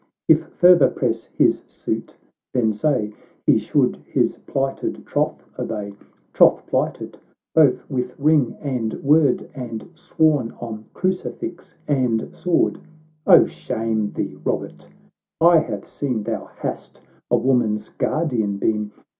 If further press his suit — then say, He should his plighted troth obey, Troth plighted both with ring and word, And sworn on crucifix and sword. — Oh, shame thee, Robert ! I have seen Thou hast a woman's guardian been